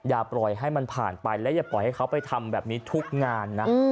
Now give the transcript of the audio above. อย่าปล่อยให้มันผ่านไปและอย่าปล่อยให้เขาไปทำแบบนี้ทุกงานนะ